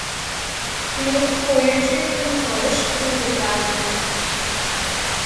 He wrote poetry from college through retirement.